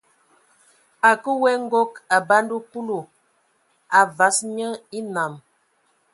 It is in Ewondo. A kǝə we nkog, a banda Kulu, a vas nye enam.